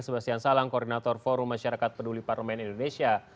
sebastian salang koordinator forum masyarakat peduli parlemen indonesia